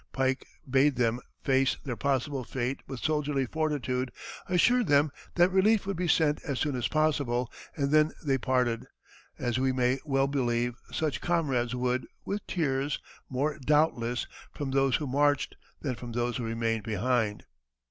Pike bade them face their possible fate with soldierly fortitude, assured them that relief would be sent as soon as possible, and then they parted, as we may well believe such comrades would, with tears more, doubtless, from those who marched than from those who remained behind.